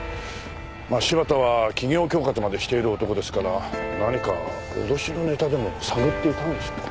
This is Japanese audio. まあ柴田は企業恐喝までしている男ですから何か脅しのネタでも探っていたんでしょうか？